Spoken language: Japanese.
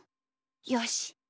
よし。